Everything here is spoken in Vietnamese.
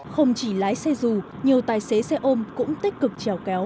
không chỉ lái xe dù nhiều tài xế xe ôm cũng tích cực chọc